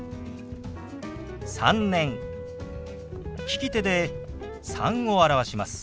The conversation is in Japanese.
利き手で「３」を表します。